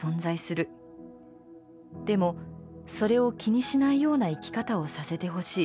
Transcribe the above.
でもそれを気にしないような生き方をさせてほしい。